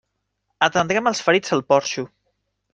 Atendrem els ferits al porxo.